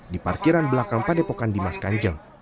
di parkiran belakang padepokan dimas kanjeng